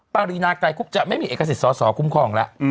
ปรินาไกรคุบจะไม่มีเอกสิทธิสอสอคุ้มครองแล้ว